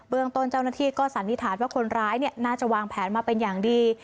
เรื่องต้นเจ้าหน้าที่ก็สันนิษฐานว่าคนร้ายน่าจะวางแผนมาเป็นอย่างดี